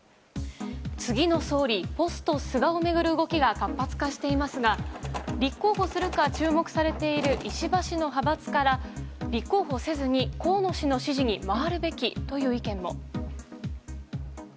次の総理、ポスト菅を巡る動きが活発化していますが立候補するか注目されている石破氏の派閥から立候補せずに河野氏の支持に回るべきという意見も。